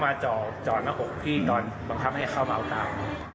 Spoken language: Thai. มีเผื่อปืนเข้ามาจอจอในหกที่นอนประคับ